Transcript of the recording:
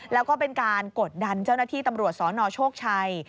แล้วก็เป็นการกดดันเจ้าหน้าที่ตำรวจสนโชคชัย